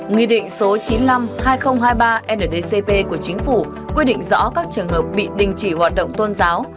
nghị định số chín mươi năm hai nghìn hai mươi ba ndcp của chính phủ quy định rõ các trường hợp bị đình chỉ hoạt động tôn giáo